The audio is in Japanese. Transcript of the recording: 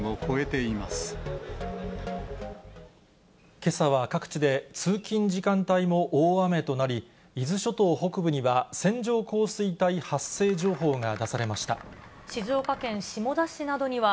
けさは各地で、通勤時間帯も大雨となり、伊豆諸島北部には、線状降水帯発生情報が出されました。